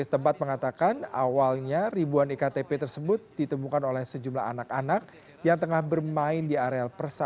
ketua rws tempat mengatakan awalnya ribuan iktp tersebut ditemukan oleh sejumlah anak anak yang tengah bermain di areal persawahan